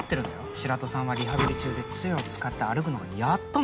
白土さんはリハビリ中で杖を使って歩くのもやっとの状態。